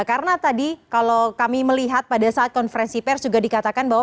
karena tadi kalau kami melihat pada saat konferensi pers juga dikatakan bahwa